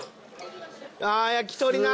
ああ焼き鳥な！